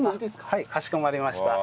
はいかしこまりました。